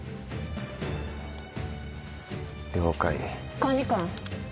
管理官。